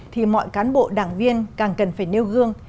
thì mọi cán bộ đảng viên càng cần phải nêu gương